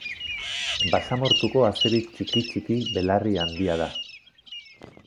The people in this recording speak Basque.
Basamortuko azeri txiki-txiki belarri-handia da.